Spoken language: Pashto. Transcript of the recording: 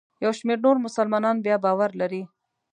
یو شمېر نور مسلمانان بیا باور لري.